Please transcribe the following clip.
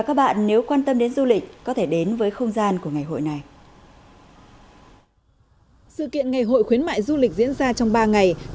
ao nuôi tránh thiệt hại nặng nề về tài sản